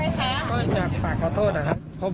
เสียงของหนึ่งในผู้ต้องหานะครับ